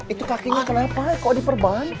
itu kakinya kenapa kok diperban